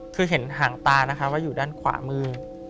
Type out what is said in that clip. คือเห็นหางตานะคะว่าอยู่ด้านขวามือ